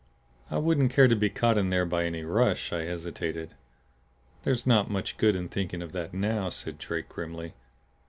"I wouldn't care to be caught in there by any rush," I hesitated. "There's not much good in thinking of that now," said Drake, grimly.